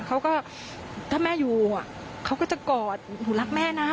เขาก็ถ้าแม่อยู่เขาก็จะกอดหนูรักแม่นะ